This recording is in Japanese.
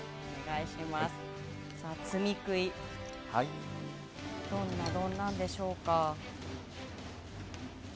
罪喰、どんな丼なんでしょうか。